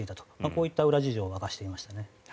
こういった裏事情を明かしていましたね。